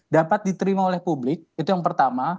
dapat diterima oleh publik itu yang pertama